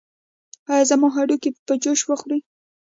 ایا زما هډوکي به جوش وخوري؟